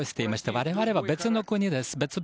我々は別の国です。